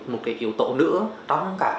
một yếu tố nữa trong cả